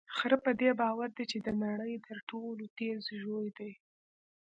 خره په دې باور دی چې د نړۍ تر ټولو تېز ژوی دی.